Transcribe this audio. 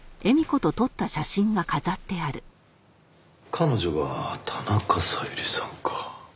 彼女が田中小百合さんか。